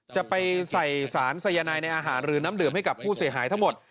จะไปใส่สารสายนายในอาหารหรือน้ำดื่มให้กับผู้เสียหายทั้งหมด